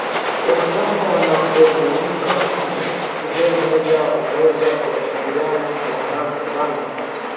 Wanyama wanaporundikwa sehemu moja wanaweza kuathiriana kwa haraka sana